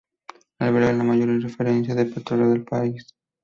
Alberga la mayor refinería de petróleo del país.